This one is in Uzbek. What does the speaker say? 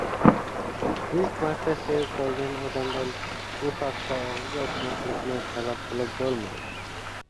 Ilk marta sevib qolgan odamdan bu haqda og‘iz ochmaslikni talab qilib bo‘lmaydi.